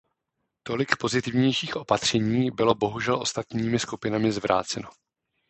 Tolik pozitivnějších opatření bylo bohužel ostatními skupinami zvráceno.